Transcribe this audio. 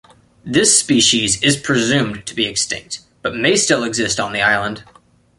This species is presumed to be extinct, but may still exist on the island.